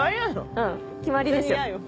うん決まりでしょ。